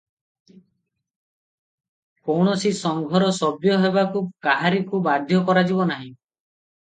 କୌଣସି ସଂଘର ସଭ୍ୟ ହେବାକୁ କାହାରିକୁ ବାଧ୍ୟ କରାଯିବ ନାହିଁ ।